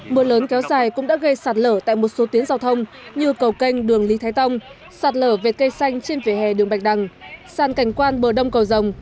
mưa lớn kéo dài cũng đã gây sạt lở tại một số tuyến giao thông như cầu canh đường lý thái tông sạt lở về cây xanh trên vỉa hè đường bạch đằng sàn cảnh quan bờ đông cầu rồng